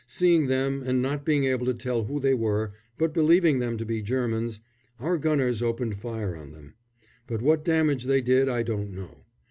Seeing them, and not being able to tell who they were, but believing them to be Germans, our gunners opened fire on them; but what damage they did I don't know.